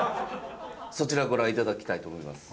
そちらご覧頂きたいと思います。